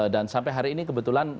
dan sampai hari ini kebetulan